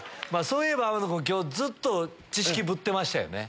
そういえば天野君今日ずっと知識ぶってましたね。